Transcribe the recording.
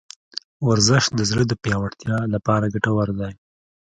ورزش د زړه د پیاوړتیا لپاره ګټور دی.